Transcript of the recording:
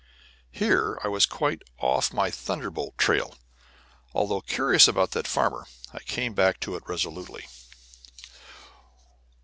Here was I quite off my thunderbolt trail, and although curious about that farmer, I came back to it resolutely.